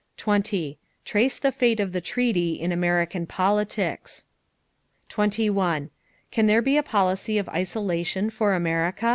20. Trace the fate of the treaty in American politics. 21. Can there be a policy of isolation for America?